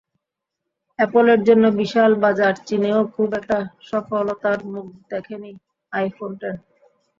অ্যাপলের জন্য বিশাল বাজার চীনেও খুব একটা সফলতার মুখ দেখেনি আইফোন টেন।